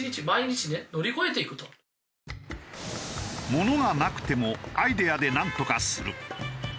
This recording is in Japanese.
「物がなくてもアイデアでなんとかする」。